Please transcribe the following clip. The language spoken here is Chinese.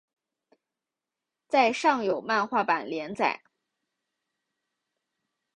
在上有漫画版连载。